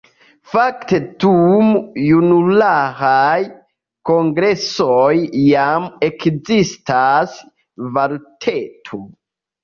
Fakte dum junularaj kongresoj jam ekzistas “valuteto”.